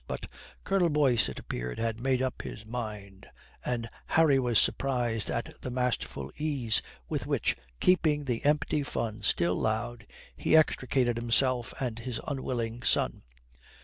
But Colonel Boyce, it appeared, had made up his mind, and Harry was surprised at the masterful ease with which, keeping the empty fun still loud, he extricated himself and his unwilling son.